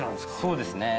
そうですね。